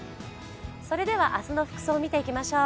それでは明日の服装を見ていきましょう。